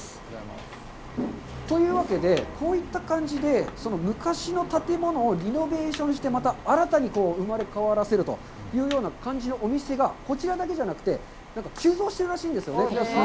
というわけで、こういった感じで、昔の建物をリノベーションして、また新たに生まれ変わらせるというような感じのお店がこちらだけじゃなくて、なんか急増してるらしいんです。